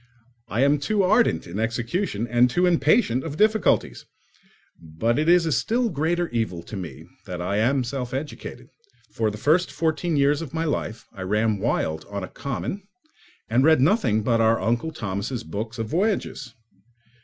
I am too ardent in execution and too impatient of difficulties. But it is a still greater evil to me that I am self educated: for the first fourteen years of my life I ran wild on a common and read nothing but our Uncle Thomas' books of voyages.